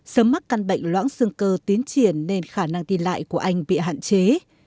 sớm mắc căn bệnh loãng xương cơ tiến triển nên khả năng đi lại của anh bị hạn chế